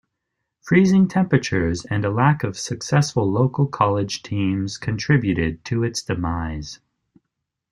Freezing temperatures and a lack of successful local college teams contributed to its demise.